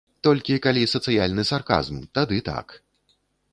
Толькі калі сацыяльны сарказм, тады так!